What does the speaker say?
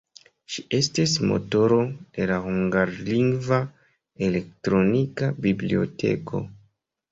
Ŝi estis motoro de la hungarlingva elektronika biblioteko.